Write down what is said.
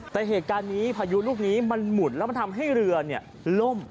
แต่เหตุการณ์นี้พายุลูกนี้มันหมุนแล้วมันทำให้เรือล่ม